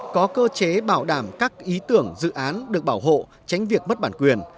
có cơ chế bảo đảm các ý tưởng dự án được bảo hộ tránh việc mất bản quyền